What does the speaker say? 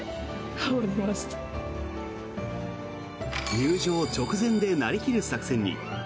入場直前で、なりきる作戦に。